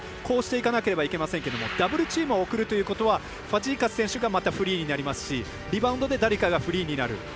こうしていかなければいけませんけれどもダブルチームを送るということはファジーカス選手がまたフリーになりますしリバウンドで誰かがフリーになる。